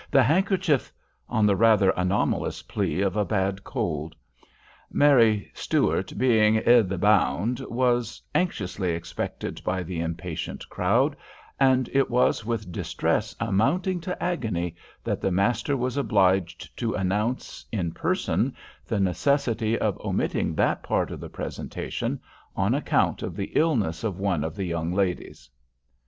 the handkerchief!" on the rather anomalous plea of a bad cold. Mary Stuart being "i' the bond," was anxiously expected by the impatient crowd, and it was with distress amounting to agony that the master was obliged to announce, in person, the necessity of omitting that part of the representation, on account of the illness of one of the young ladies.